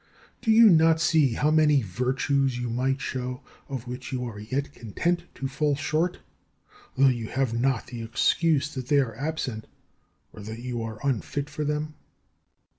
Do you not see how many virtues you might show, of which you are yet content to fall short, though you have not the excuse that they are absent, or that you are unfit for them?